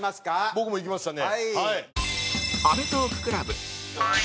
僕も行きましたんで。